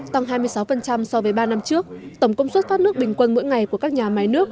tăng hai mươi sáu so với ba năm trước tổng công suất phát nước bình quân mỗi ngày của các nhà máy nước